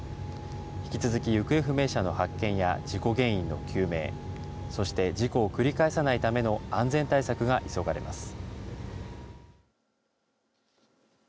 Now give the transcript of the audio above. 引き続き行方不明者の発見や事故原因の究明、そして事故を繰り返さないための安全対策が急がれます。